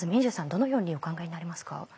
どのようにお考えになりますか？